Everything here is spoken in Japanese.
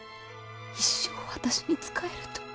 一生私に仕えると。